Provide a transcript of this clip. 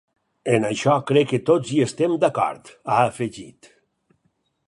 “En això, crec que tots hi estem d’acord”, ha afegit.